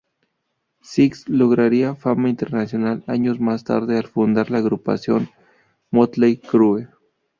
Sixx lograría fama internacional años más tarde al fundar la agrupación Mötley Crüe.